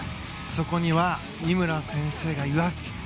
そこには井村先生がいます。